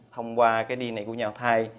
thông qua cái dna của nhau thai